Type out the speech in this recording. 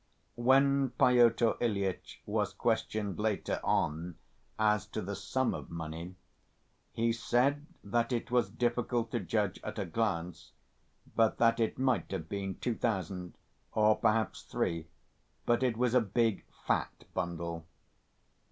When Pyotr Ilyitch was questioned later on as to the sum of money, he said that it was difficult to judge at a glance, but that it might have been two thousand, or perhaps three, but it was a big, "fat" bundle.